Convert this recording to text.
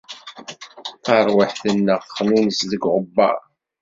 Tarwiḥt-nneɣ texnunes deg uɣebbar.